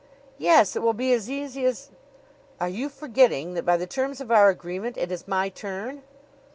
"Yes. It will be as easy as " "Are you forgetting that, by the terms of our agreement, it is my turn?"